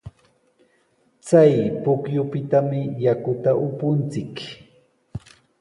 Chay pukyupitami yakuta upunchik.